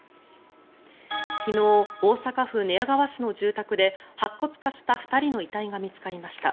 昨日、大阪府寝屋川市の住宅で白骨化した２人の遺体が見つかりました。